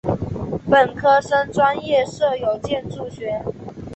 本科生专业设有建筑学。